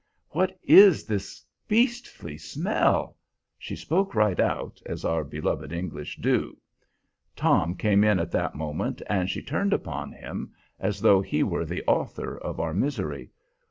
"What is this beastly smell?" She spoke right out, as our beloved English do. Tom came in at that moment, and she turned upon him as though he were the author of our misery.